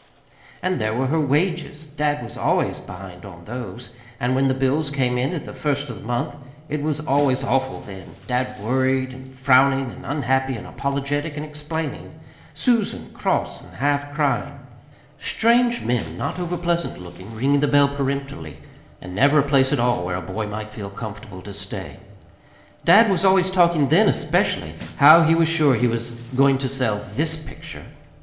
And there were her wages dad was always behind on those. And when the bills came in at the first of the month, it was always awful then: dad worried and frowning and unhappy and apologetic and explaining; Susan cross and half crying. Strange men, not overpleasant looking, ringing the doorbell peremptorily. And never a place at all where a boy might feel comfortable to stay. Dad was always talking then, especially, how he was sure he was going to sell THIS picture.